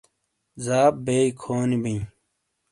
زاب بئے کھونی بئے